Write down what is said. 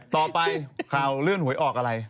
ต่อไปข่าวเลื่อนหวยออกอะไร